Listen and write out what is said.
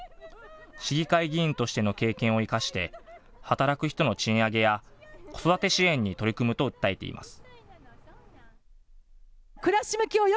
市議会議員としての経験を生かして働く人の賃上げや子育て支援に取り組むと訴えています。